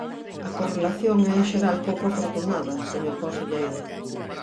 A correlación é en xeral pouco afortunada, señor conselleiro.